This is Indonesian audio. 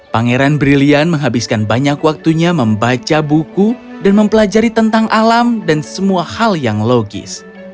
pangeran brilian menghabiskan banyak waktunya membaca buku dan mempelajari tentang alam dan semua hal yang logis